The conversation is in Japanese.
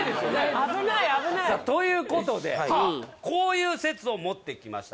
危ない危ないということでこういう説を持ってきました